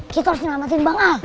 kita harus selamatin bang al